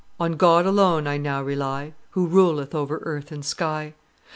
On God alone I now rely, Who ruleth over earth and sky.